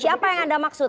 siapa yang anda maksud